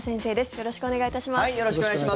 よろしくお願いします。